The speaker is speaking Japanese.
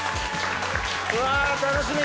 うわ楽しみ！